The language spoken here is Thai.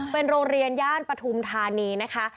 เป็นโรงเรียนย่านปฐุมธานีนะคะ